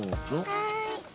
はい。